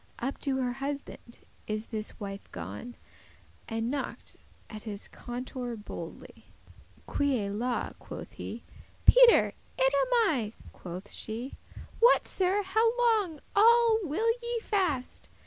Up to her husband is this wife gone, And knocked at his contour boldely. *"Qui est la?"* quoth he. "Peter! it am I," *who is there?* Quoth she; "What, Sir, how longe all will ye fast?